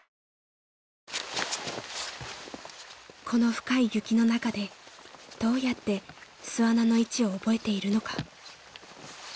［この深い雪の中でどうやって巣穴の位置を覚えているのか］